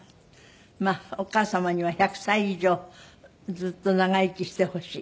まあお母様には１００歳以上ずっと長生きしてほしい。